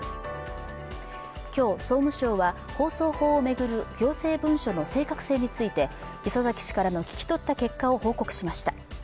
今日、総務省は、放送法を巡る行政文書の正確性について礒崎氏からの聞き取った結果を報告しました。